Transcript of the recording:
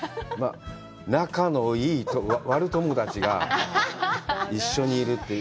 仲のいい、悪友達が一緒にいるという。